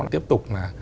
tiếp tục là